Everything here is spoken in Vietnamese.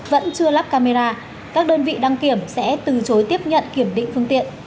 vẫn chưa lắp camera các đơn vị đăng kiểm sẽ từ chối tiếp nhận kiểm định phương tiện